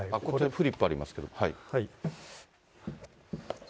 フリップありますけど。